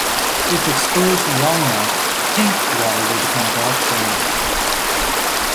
If exposed long enough, "pink" water will become dark brown.